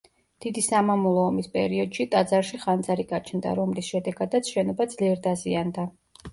დიდი სამამულო ომის პერიოდში ტაძარში ხანძარი გაჩნდა, რომლის შედეგადაც შენობა ძლიერ დაზიანდა.